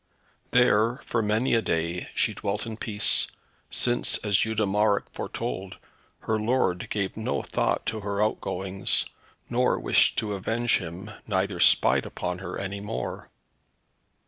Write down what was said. There, for many a day, she dwelt in peace, since as Eudemarec foretold her lord gave no thought to her outgoings, nor wished to avenge him, neither spied upon her any more.